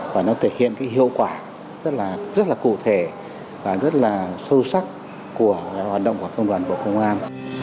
và nó thể hiện cái hiệu quả rất là cụ thể và rất là sâu sắc của hoạt động của công đoàn bộ công an